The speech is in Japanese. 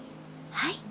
はい。